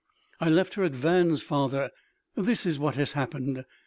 "I left her at Vannes, father. This is what has happened.